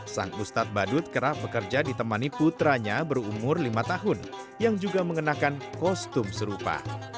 sang ustadz badut kerap bekerja ditemani putranya berumur lima tahun yang juga mengenakan kostum serupa